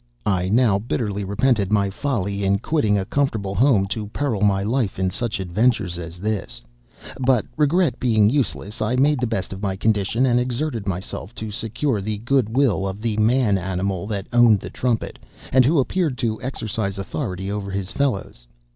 "'I now bitterly repented my folly in quitting a comfortable home to peril my life in such adventures as this; but regret being useless, I made the best of my condition, and exerted myself to secure the goodwill of the man animal that owned the trumpet, and who appeared to exercise authority over his fellows.